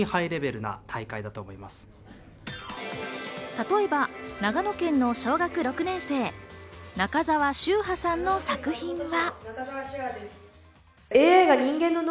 例えば長野県の小学６年生、中沢柊葉さんの作品は。